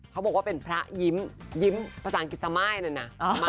เขาบอกว่าเป็นพระยิ้มภาษาอังกฤษม่ายนั่นน่ะ